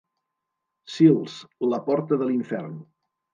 Sils, la porta de l'infern.